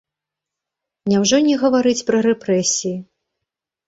Няўжо не гаварыць пра рэпрэсіі?